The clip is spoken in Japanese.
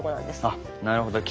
あなるほど。